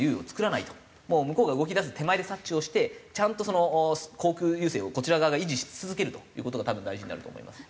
もう向こうが動きだす手前で察知をしてちゃんと航空優勢をこちら側が維持し続けるという事が多分大事になると思います。